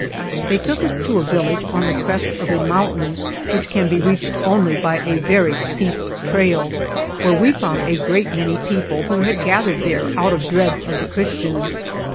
They took us to a village on the crest of a mountain, which can be reached only by a very steep trail, where we found a great many people, who had gathered there out of dread of the Christians.